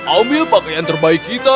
ambil pakaian terbaik kita